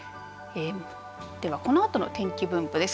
ではこのあとの天気分布です。